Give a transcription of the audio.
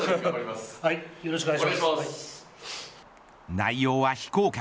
内容は非公開。